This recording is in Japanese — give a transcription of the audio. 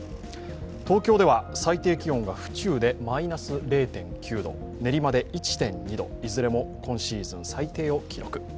東京では最低気温が府中でマイナス０．９度練馬で１．２度、いずれも今シーズン最低を記録。